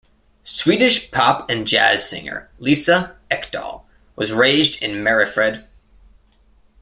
Swedish pop and jazz singer Lisa Ekdahl was raised in Mariefred.